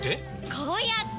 こうやって！